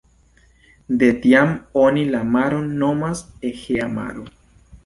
De tiam oni la maron nomas Egea Maro.